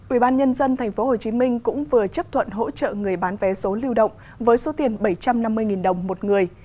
ủy ban nhân dân tp hcm cũng vừa chấp thuận hỗ trợ người bán vé số lưu động với số tiền bảy trăm năm mươi đồng một người